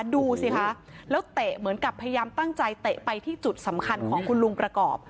ดูสิคะแล้วเตะเหมือนกับพยายามตั้งใจเตะไปที่จุดสำคัญของคุณลุงประกอบ